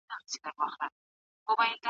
علمي تحقیق سمدستي نه لغوه کیږي.